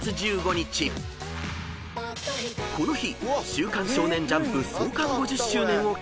［この日］